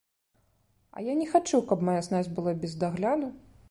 А я не хачу, каб мая снасць была без дагляду?